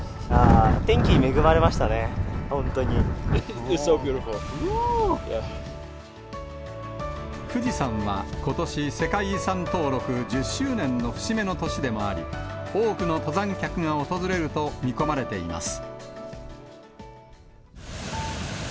天気に恵まれましたね、富士山はことし、世界遺産登録１０周年の節目の年でもあり、多くの登山客が訪れると見込まれています。